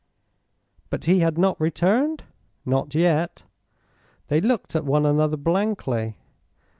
_" But he had not returned? Not yet. They looked at one another blankly.